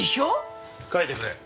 書いてくれ。